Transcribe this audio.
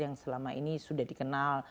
yang selama ini sudah dikenal